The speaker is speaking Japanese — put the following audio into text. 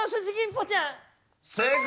正解！